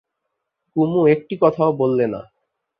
কুমু একটি কথাও বললে না।